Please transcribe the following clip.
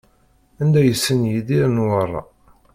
Anda i yessen Yidir Newwara?